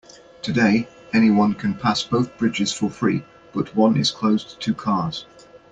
Today, anyone can pass both bridges for free, but one is closed to cars.